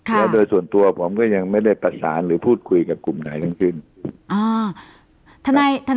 แล้วโดยส่วนตัวผมก็ยังไม่ได้ประสานหรือพูดคุยกับกลุ่มไหนทั้งสิ้น